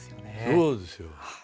そうですよ。